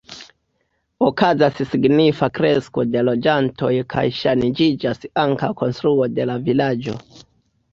Okazas signifa kresko de loĝantoj kaj ŝanĝiĝas ankaŭ konstruo de la vilaĝo.